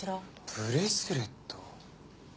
ブレスレット？